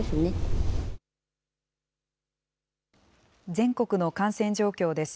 全国の感染状況です。